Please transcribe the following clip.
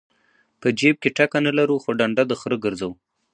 په جیب کې ټکه نه لرو خو ډنډه د خره ګرځو.